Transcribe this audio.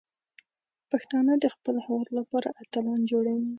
پښتانه د خپل هیواد لپاره اتلان جوړوي.